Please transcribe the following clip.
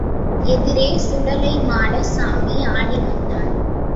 எதிரே சுடலைமாடச் சாமியாடி வந்தார்.